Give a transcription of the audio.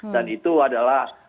dan itu adalah